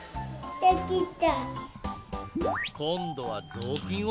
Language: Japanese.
できた！